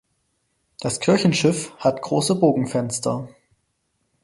Das Kirchenschiff hat große Bogenfenster.